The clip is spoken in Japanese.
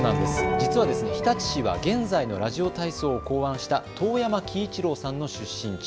実は日立市は現在のラジオ体操を考案した遠山喜一郎さんの出身地。